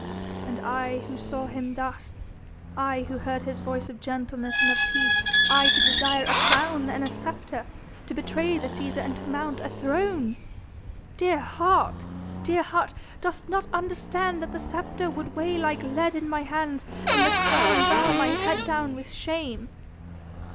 And I who saw Him thus, I who heard His voice of gentleness and of peace, I to desire a crown and sceptre, to betray the Cæsar and to mount a throne!!! Dear heart! dear heart! dost not understand that the sceptre would weigh like lead in my hands and the crown bow my head down with shame?"